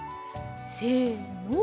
せの。